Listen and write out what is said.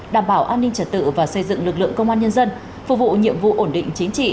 đảm bảo an ninh trật tự và xây dựng lực lượng công an nhân dân phục vụ nhiệm vụ ổn định chính trị